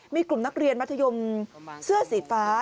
มีกลุ่มนักเรียนมัธยมเสื้อสีฟ้า